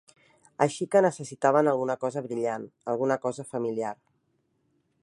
Així que necessitaven alguna cosa brillant, alguna cosa familiar.